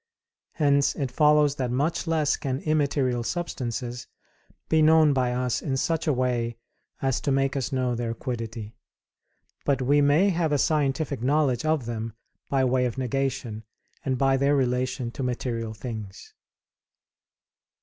Hence it follows that much less can immaterial substances be known by us in such a way as to make us know their quiddity; but we may have a scientific knowledge of them by way of negation and by their relation to material things.